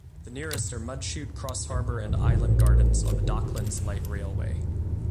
The nearest are Mudchute, Crossharbour and Island Gardens on the Docklands Light Railway.